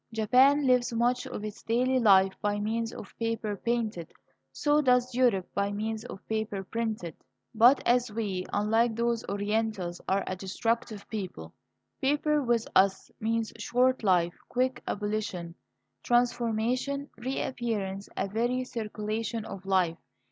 Japan lives much of its daily life by means of paper, painted; so does Europe by means of paper, printed. But as we, unlike those Orientals, are a destructive people, paper with us means short life, quick abolition, transformation, re appearance, a very circulation of life.